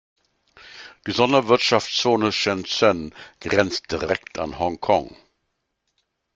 Die Sonderwirtschaftszone Shenzhen grenzt direkt an Hongkong.